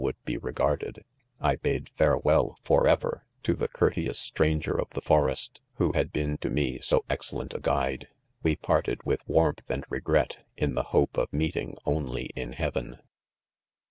would be regarded; I bade farewell, forever, to the courteous stran ger of the forest, who hadoeen to me so excel len| a guide., We parted, with warmth and regret, in the hope of meeting only in heaven.